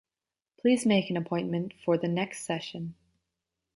Please make an appointment for the next session.